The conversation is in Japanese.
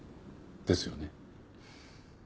ですよね？